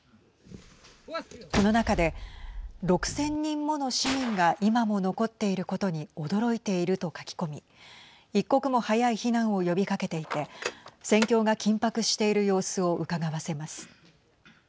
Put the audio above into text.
この中で、６０００人もの市民が今も残っていることに驚いていると書き込み一刻も早い避難を呼びかけていて戦況が緊迫している様子をうかがわせます。